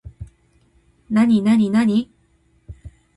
なになになに